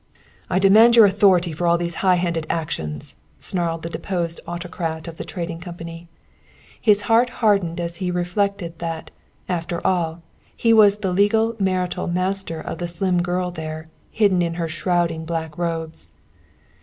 "I demand your authority for all these high handed actions," snarled the deposed autocrat of the Trading Company. His heart hardened as he reflected that, after all, he was the legal marital master of the slim girl there, hidden in her shrouding black robes.